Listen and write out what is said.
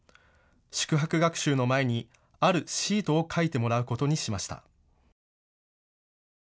宿泊学習の前にあるシートを書いてもらうことにしました。